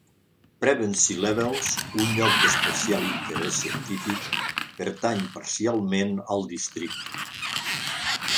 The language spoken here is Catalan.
Pevensey Levels, un lloc d'especial interès científic, pertany parcialment al districte.